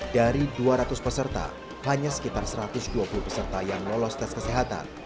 dari dua ratus peserta hanya sekitar satu ratus dua puluh peserta yang lolos tes kesehatan